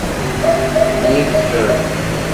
Nick Jr.